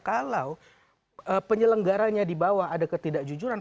kalau penyelenggaranya di bawah ada ketidak jujuran